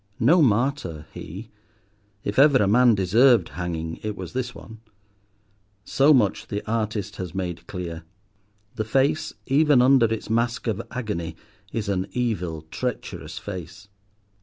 No martyr he. If ever a man deserved hanging it was this one. So much the artist has made clear. The face, even under its mask of agony, is an evil, treacherous face.